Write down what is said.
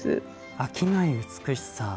飽きない美しさ。